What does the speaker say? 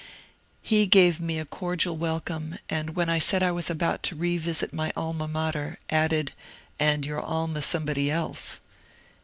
He gave me a cordial welcome, and when I said I was about to revisit my *^ Alma Mater," added, *^ and your alma somebody else."